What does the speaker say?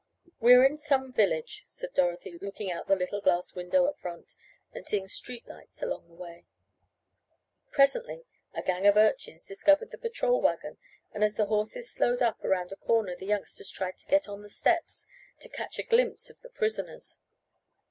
"We are in some village," said Dorothy, looking out the little glass window at front, and seeing street lights along the way. Presently a gang of urchins discovered the patrol wagon and as the horses slowed up around a corner the youngsters tried to get on the steps to catch a glimpse of the "prisoners."